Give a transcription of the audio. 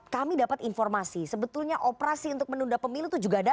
kami dapat informasi sebetulnya operasi untuk menunda pemilu itu juga ada